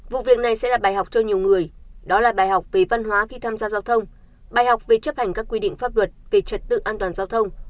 vụ việc này sẽ là bài học cho nhiều người đó là bài học về văn hóa khi tham gia giao thông bài học về chấp hành các quy định pháp luật về trật tự an toàn giao thông